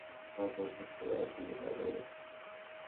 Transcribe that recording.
আমরা খচ্চর মমিটাকে সামলাবো!